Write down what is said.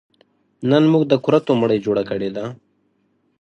نن موږ د کورتو مړۍ جوړه کړې ده